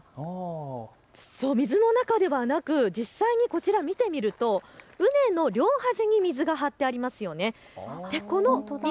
水の中ではなく実際に見てみると畝の両端に水が張っていますよね。